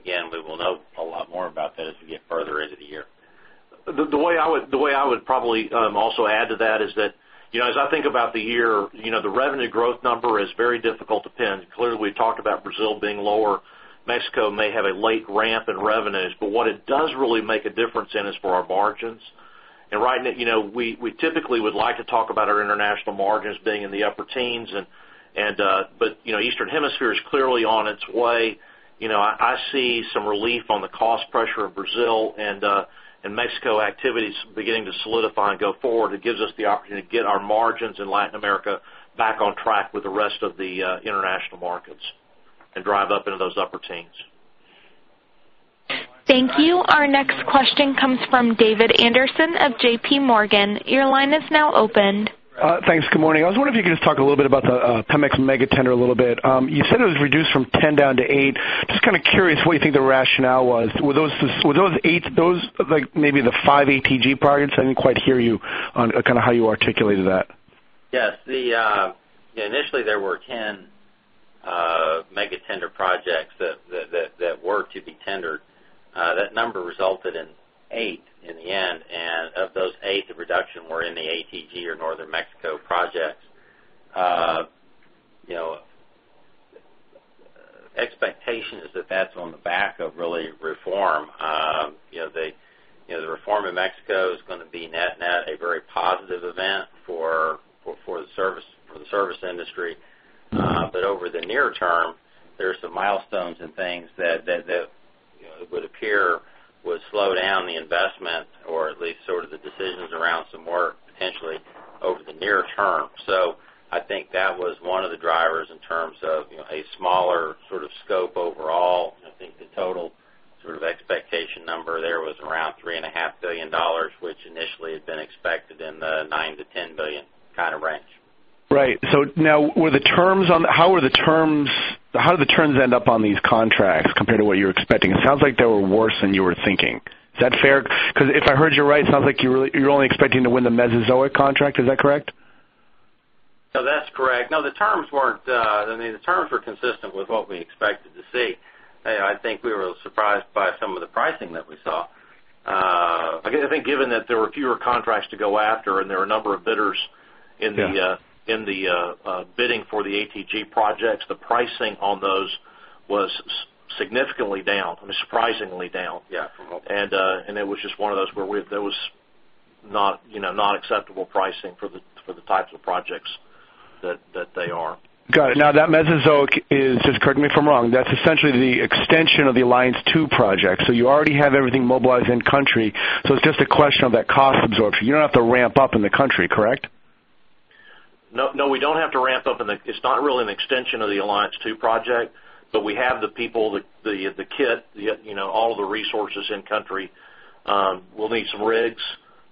Again, we will know a lot more about that as we get further into the year. The way I would probably also add to that is that, as I think about the year, the revenue growth number is very difficult to pin. Clearly, we talked about Brazil being lower. Mexico may have a late ramp in revenues, what it does really make a difference in is for our margins. We typically would like to talk about our international margins being in the upper teens, Eastern Hemisphere is clearly on its way. I see some relief on the cost pressure of Brazil and Mexico activities beginning to solidify and go forward. It gives us the opportunity to get our margins in Latin America back on track with the rest of the international markets and drive up into those upper teens. Thank you. Our next question comes from David Anderson of J.P. Morgan. Your line is now open. Thanks. Good morning. I was wondering if you could just talk a little bit about the Pemex mega tender a little bit. You said it was reduced from 10 down to 8. Just kind of curious what you think the rationale was. Were those 8 maybe the five ATG products? I didn't quite hear you on kind of how you articulated that. Yes. Initially, there were 10 mega tender projects that were to be tendered. That number resulted in 8 in the end. Of those 8, the reduction were in the ATG or Northern Mexico projects. Expectation is that that's on the back of really reform. The reform in Mexico is going to be net a very positive event for the service industry. Over the near term, there are some milestones and things that it would appear would slow down the investment or at least sort of the decisions around some work potentially over the near term. I think that was one of the drivers in terms of a smaller sort of scope overall. I think the total sort of expectation number there was around $3.5 billion, which initially had been expected in the $9 billion-$10 billion kind of range. Right. Now, how do the terms end up on these contracts compared to what you were expecting? It sounds like they were worse than you were thinking. Is that fair? If I heard you right, it sounds like you're only expecting to win the Mesozoic contract. Is that correct? No, that's correct. The terms were consistent with what we expected to see. I think we were surprised by some of the pricing that we saw. I think given that there were fewer contracts to go after and there were a number of bidders- Yeah in the bidding for the ATG projects, the pricing on those was significantly down. I mean, surprisingly down. Yeah. For both. It was just one of those where that was not acceptable pricing for the types of projects that they are. Got it. Now, that Mesozoic is, just correct me if I'm wrong, that's essentially the extension of the Southern Alliance 2 project. You already have everything mobilized in country, so it's just a question of that cost absorption. You don't have to ramp up in the country, correct? No, we don't have to ramp up. It's not really an extension of the Southern Alliance 2 project, but we have the people, the kit, all the resources in country. We'll need some rigs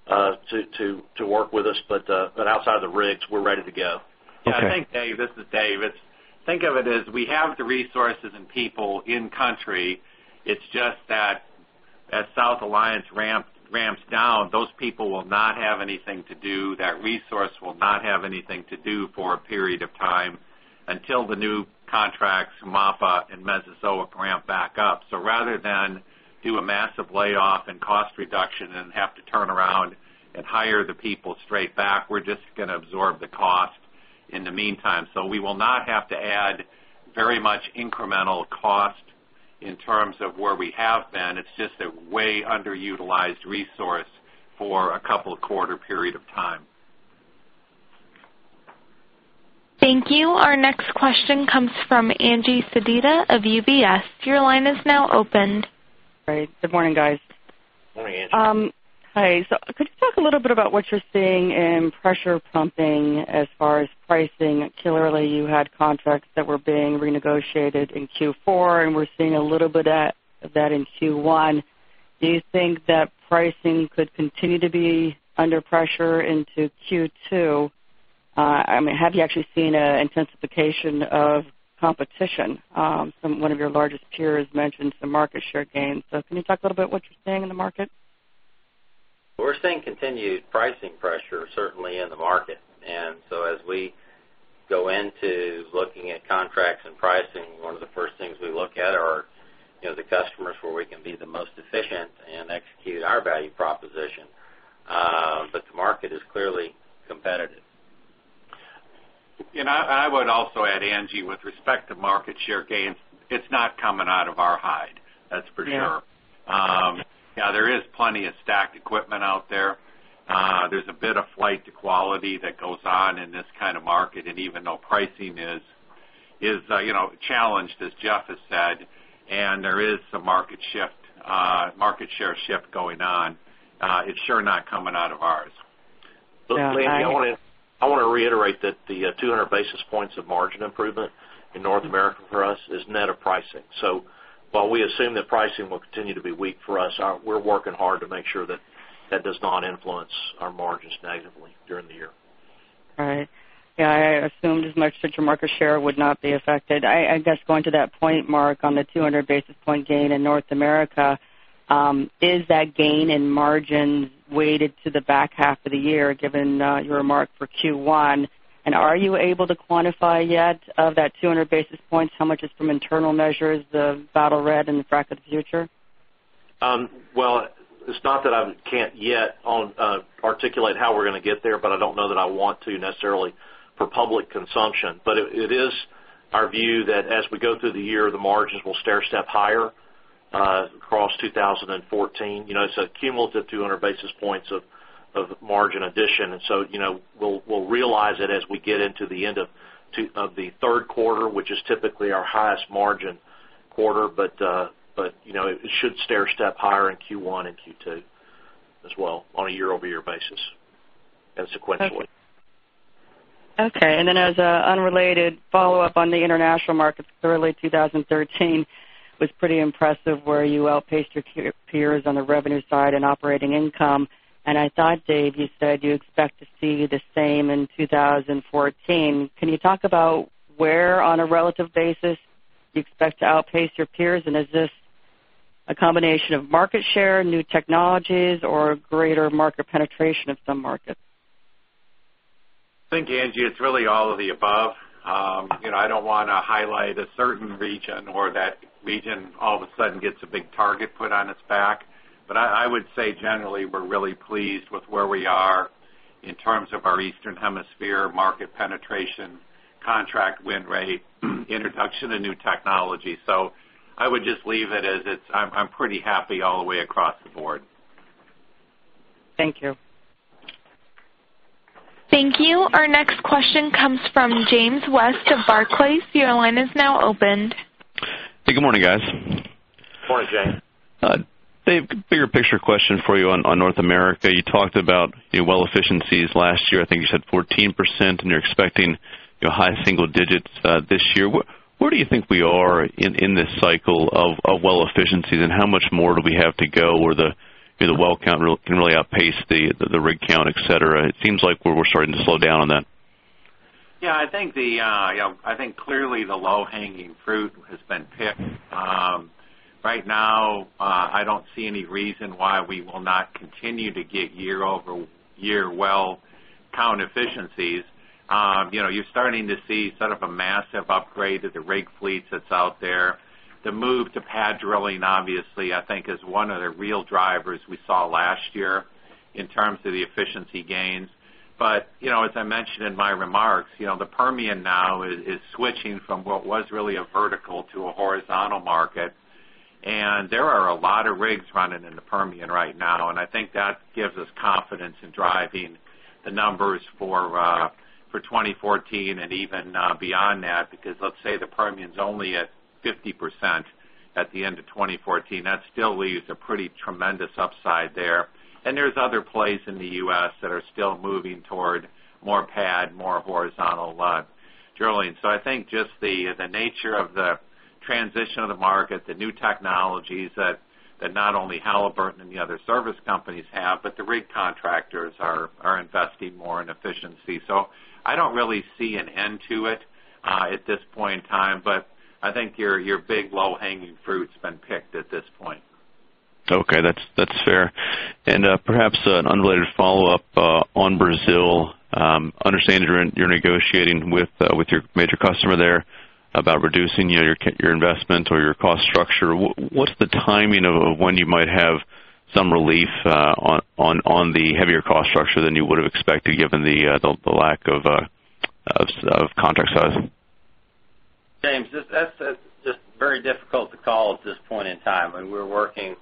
to work with us. Outside of the rigs, we're ready to go. I think, David, this is Dave. Think of it as we have the resources and people in country. It's just that as Southern Alliance 2 ramps down, those people will not have anything to do. That resource will not have anything to do for a period of time until the new contracts, Humapa and Mesozoic, ramp up. Rather than do a massive layoff and cost reduction and have to turn around and hire the people straight back, we're just going to absorb the cost in the meantime. We will not have to add very much incremental cost in terms of where we have been. It's just a way underutilized resource for a couple of quarter period of time. Thank you. Our next question comes from Angie Sedita of UBS. Your line is now opened. Great. Good morning, guys. Morning, Angie. Hi. Could you talk a little bit about what you're seeing in pressure pumping as far as pricing? Clearly, you had contracts that were being renegotiated in Q4, and we're seeing a little bit of that in Q1. Do you think that pricing could continue to be under pressure into Q2? Have you actually seen an intensification of competition from one of your largest peers mention some market share gains? Can you talk a little bit what you're seeing in the market? We're seeing continued pricing pressure, certainly in the market. As we go into looking at contracts and pricing, one of the first things we look at are the customers where we can be the most efficient and execute our value proposition. The market is clearly competitive. I would also add, Angie, with respect to market share gains, it's not coming out of our hide. That's for sure. Yeah. There is plenty of stacked equipment out there. There's a bit of flight to quality that goes on in this kind of market, and even though pricing is challenged, as Jeff has said, and there is some market share shift going on, it's sure not coming out of ours. Yeah. I want to reiterate that the 200 basis points of margin improvement in North America for us is net of pricing. While we assume that pricing will continue to be weak for us, we're working hard to make sure that that does not influence our margins negatively during the year. I assumed as much that your market share would not be affected. I guess going to that point, Mark, on the 200 basis point gain in North America, is that gain in margin weighted to the back half of the year, given your remark for Q1? Are you able to quantify yet of that 200 basis points how much is from internal measures, the Battle Red and the Frac of the Future? Well, it's not that I can't yet articulate how we're going to get there, but I don't know that I want to necessarily for public consumption. It is our view that as we go through the year, the margins will stairstep higher across 2014. It's a cumulative 200 basis points of margin addition. We'll realize it as we get into the end of the third quarter, which is typically our highest margin quarter, but it should stairstep higher in Q1 and Q2 as well on a year-over-year basis and sequentially. Okay. As an unrelated follow-up on the international market, early 2013 was pretty impressive, where you outpaced your peers on the revenue side and operating income, I thought, Dave, you said you expect to see the same in 2014. Can you talk about where on a relative basis you expect to outpace your peers? Is this a combination of market share, new technologies, or greater market penetration of some markets? I think, Angie, it's really all of the above. I don't want to highlight a certain region, or that region all of a sudden gets a big target put on its back. I would say generally, we're really pleased with where we are in terms of our Eastern Hemisphere market penetration, contract win rate, introduction to new technology. I would just leave it as is. I'm pretty happy all the way across the board. Thank you. Thank you. Our next question comes from James West of Barclays. Your line is now opened. Hey, good morning, guys. Morning, James. Dave, bigger picture question for you on North America. You talked about your well efficiencies last year. I think you said 14%, and you're expecting high single digits this year. Where do you think we are in this cycle of well efficiencies, and how much more do we have to go where the well count can really outpace the rig count, et cetera? It seems like we're starting to slow down on that. Yeah, I think clearly the low-hanging fruit has been picked. Right now, I don't see any reason why we will not continue to get year-over-year well count efficiencies. You're starting to see sort of a massive upgrade to the rig fleets that's out there. The move to pad drilling obviously, I think is one of the real drivers we saw last year in terms of the efficiency gains. As I mentioned in my remarks, the Permian now is switching from what was really a vertical to a horizontal market, and there are a lot of rigs running in the Permian right now, and I think that gives us confidence in driving the numbers for 2014 and even beyond that. Let's say the Permian's only at 50% at the end of 2014, that still leaves a pretty tremendous upside there. There's other plays in the U.S. that are still moving toward more pad, more horizontal drilling. I think just the nature of the transition of the market, the new technologies that not only Halliburton and the other service companies have, but the rig contractors are investing more in efficiency. I don't really see an end to it at this point in time, but I think your big low-hanging fruit's been picked at this point. Okay, that's fair. Perhaps an unrelated follow-up on Brazil. I understand you're negotiating with your major customer there about reducing your investment or your cost structure. What's the timing of when you might have some relief on the heavier cost structure than you would've expected given the lack of contract size? James, that's just very difficult to call at this point in time. We're working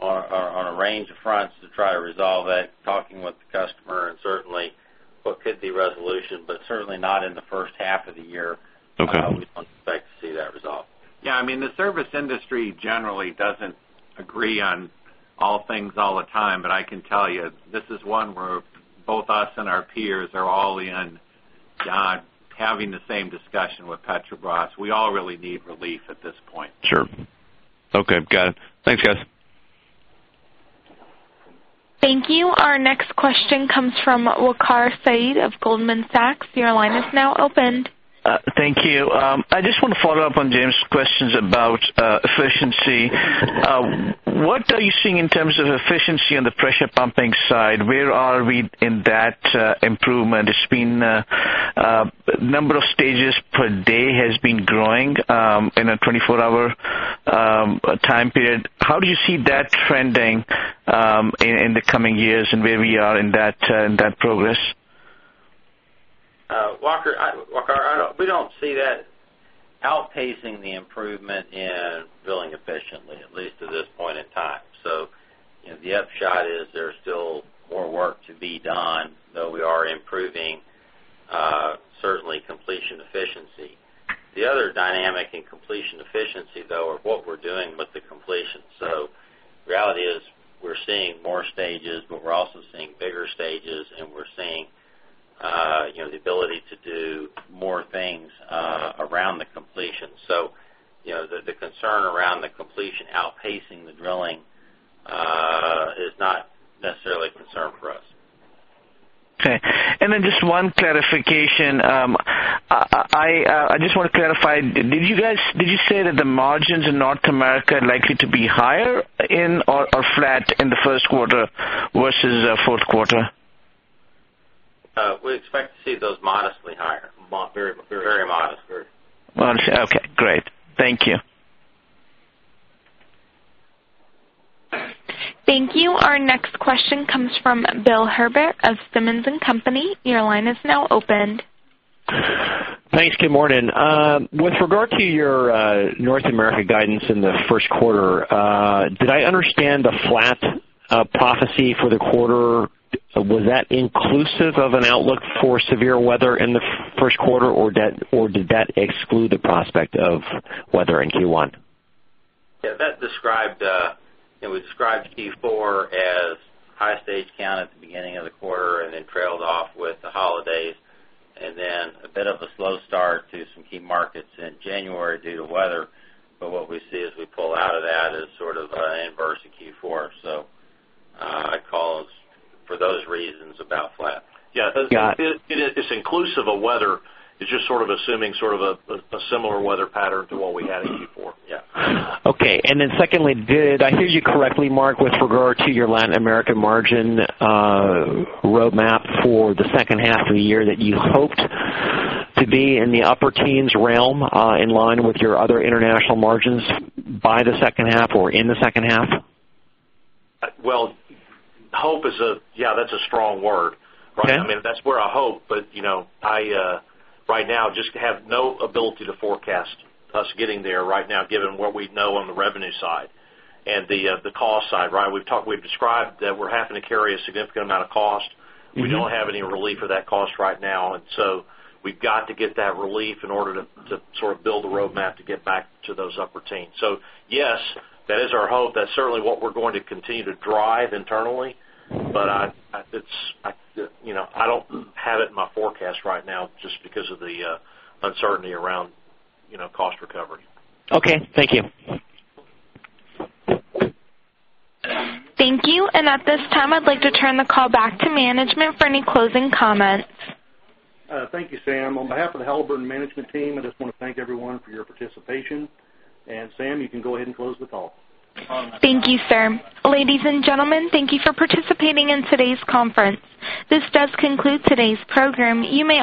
on a range of fronts to try to resolve it, talking with the customer, certainly what could be resolution, but certainly not in the first half of the year. Okay. We don't expect to see that resolved. Yeah. The service industry generally doesn't agree on all things all the time, but I can tell you, this is one where both us and our peers are all in on having the same discussion with Petrobras. We all really need relief at this point. Sure. Okay. Got it. Thanks, guys. Thank you. Our next question comes from Waqar Syed of Goldman Sachs. Your line is now open. Thank you. I just want to follow up on James' questions about efficiency. What are you seeing in terms of efficiency on the pressure pumping side? Where are we in that improvement? The number of stages per day has been growing in a 24-hour time period. How do you see that trending in the coming years, and where we are in that progress? Waqar, we don't see that outpacing the improvement in drilling efficiently, at least at this point in time. The upshot is there's still more work to be done, though we are improving certainly completion efficiency. The other dynamic in completion efficiency, though, are what we're doing with the completion. The reality is we're seeing more stages, we're also seeing bigger stages, we're seeing the ability to do more things around the completion. The concern around the completion outpacing the drilling is not necessarily a concern for us. Okay. Just one clarification. I just want to clarify, did you say that the margins in North America are likely to be higher in or flat in the first quarter versus fourth quarter? We expect to see those modestly higher. Very modestly. Okay, great. Thank you. Thank you. Our next question comes from Bill Herbert of Simmons & Company. Your line is now open. Thanks. Good morning. With regard to your North America guidance in the first quarter, did I understand the flat prognosis for the quarter? Was that inclusive of an outlook for severe weather in the first quarter, or did that exclude the prospect of weather in Q1? Yeah, we described Q4 as high stage count at the beginning of the quarter and then trailed off with the holidays, and then a bit of a slow start to some key markets in January due to weather. What we see as we pull out of that is sort of an inverse in Q4. I call, for those reasons, about flat. Yeah. It's inclusive of weather. It's just sort of assuming a similar weather pattern to what we had in Q4. Yeah. Okay. Secondly, did I hear you correctly, Mark, with regard to your Latin American margin roadmap for the second half of the year that you hoped to be in the upper teens realm in line with your other international margins by the second half or in the second half? Well, hope is a strong word, right? Okay. That's where I hope, but right now, just have no ability to forecast us getting there right now given what we know on the revenue side and the cost side, right? We've described that we're having to carry a significant amount of cost. We don't have any relief of that cost right now. We've got to get that relief in order to build a roadmap to get back to those upper teens. Yes, that is our hope. That's certainly what we're going to continue to drive internally. I don't have it in my forecast right now just because of the uncertainty around cost recovery. Okay, thank you. Thank you. At this time, I'd like to turn the call back to management for any closing comments. Thank you, Sam. On behalf of the Halliburton management team, I just want to thank everyone for your participation. Sam, you can go ahead and close the call. Thank you, sir. Ladies and gentlemen, thank you for participating in today's conference. This does conclude today's program. You may